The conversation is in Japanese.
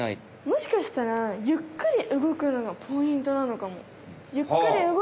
もしかしたらゆっくり動くのがポイントなのかも。